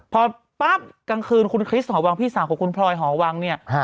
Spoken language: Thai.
พอปั๊บกลางคืนคุณคริสหอวังพี่สาวของคุณพลอยหอวังเนี่ย